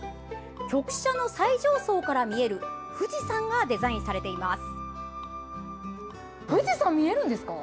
局舎の最上層から見える富士山がデザインされています。